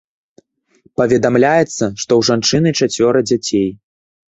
Паведамляецца, што ў жанчыны чацвёра дзяцей.